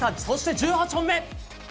そして、１８本目！